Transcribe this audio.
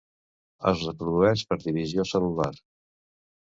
Es reprodueix per divisió cel·lular.